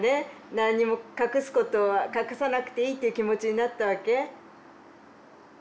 何にも隠すことは隠さなくていいって気持ちになったわけ？